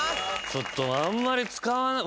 ちょっとあんまり使わない。